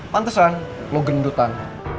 pantesan lo gendutan